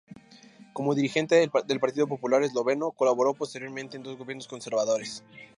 Como dirigente del Partido Popular Esloveno colaboró posteriormente en dos gobiernos conservadores.